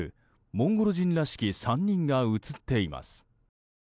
モンゴル人らしき３人が映っています。